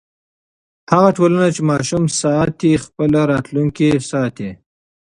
هغه ټولنه چې ماشوم ساتي، خپل راتلونکی ساتي.